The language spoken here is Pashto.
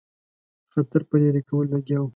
خطر په لیري کولو لګیا وو.